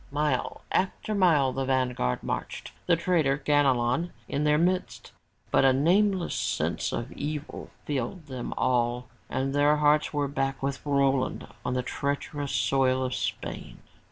Mile after mile the vanguard marched, the traitor Ganelon in their midst, but a nameless sense of evil filled them all and their hearts were back with Roland on the treacherous soil of Spain.